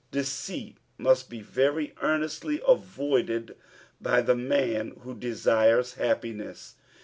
'" Deceit must be very earnestly avoided by the man who . desires happ[neBS.